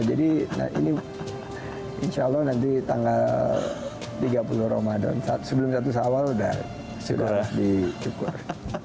jadi insya allah nanti tanggal tiga puluh ramadhan sebelum satu sawal sudah cukur